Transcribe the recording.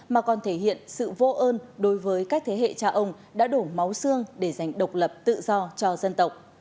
mà còn thể hiện sự vô ơn đối với các thế hệ cha ông đã đổ máu xương để giành độc lập tự do cho dân tộc